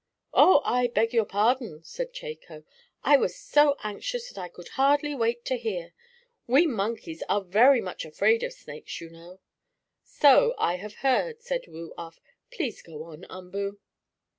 "Oh, I beg your pardon," said Chako. "I was so anxious that I could hardly wait to hear. We monkeys are very much afraid of snakes, you know." "So I have heard," said Woo Uff. "Please go on, Umboo."